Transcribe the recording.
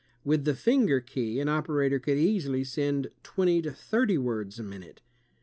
With the finger key, an operator could easily send twenty to thirty words a minute.